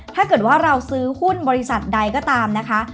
ถ้าเกิดว่าเราซื้อหุ้นบริษัทใดก็ตามนะคะ